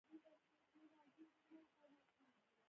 زه هېچا نه وم ليدلى چې نسوار مې واچاوه.